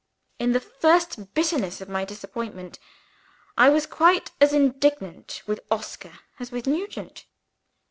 In the first bitterness of my disappointment, I was quite as indignant with Oscar as with Nugent.